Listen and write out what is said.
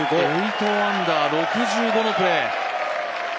８アンダー、６５のプレー。